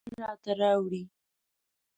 چې ګل راته راوړي